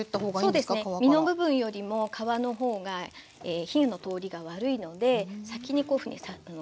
そうですね身の部分よりも皮の方が火の通りが悪いので先にこういうふうに下に入れます。